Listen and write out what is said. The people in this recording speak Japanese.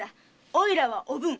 おいらはおぶん。